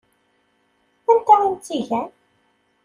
Anta i m-tt-igan?